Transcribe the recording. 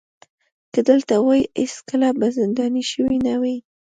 که دلته وای هېڅکله به زنداني شوی نه وای.